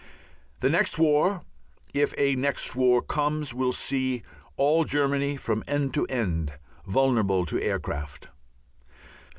The next war if a next war comes will see all Germany, from end to end, vulnerable to aircraft....